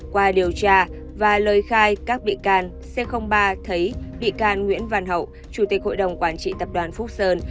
qua điều tra và lời khai các bị can c ba thấy bị can nguyễn văn hậu chủ tịch hội đồng quản trị tập đoàn phúc sơn